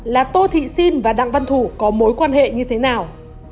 là tô thị sinh và đăng văn thủ có mối quan hệ như thế nào